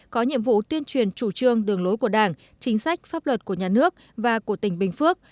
có nhiệm vụ tuyên truyền chủ trương đường lối của đảng chính sách pháp luật của nhà nước và của tỉnh bình phước